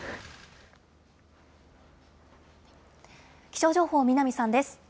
気象情報、南さんです。